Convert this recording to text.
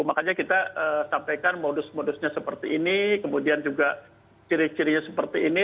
makanya kita sampaikan modus modusnya seperti ini kemudian juga ciri cirinya seperti ini